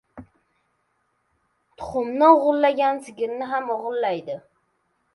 • Tuxumni o‘g‘irlagan sigirni ham o‘g‘irlaydi.